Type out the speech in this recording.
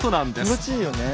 気持ちいいよね。